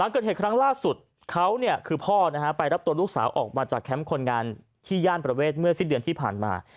เกิดเหตุครั้งล่าสุดเขาคือพ่อไปรับตัวลูกสาวออกมาจากแคมป์คนงานที่ย่านประเวทเมื่อสิ้นเดือนที่ผ่านมา